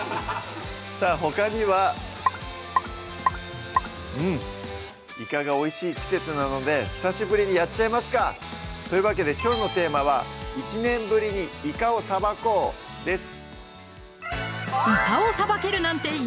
さぁほかにはうんイカがおいしい季節なので久しぶりにやっちゃいますか！というわけできょうのテーマは「１年ぶりにイカをさばこう」です